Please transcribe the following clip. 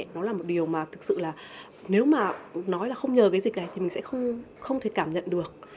nó là một điều mà thực sự là nếu mà nói là không nhờ cái dịch này thì mình sẽ không thể cảm nhận được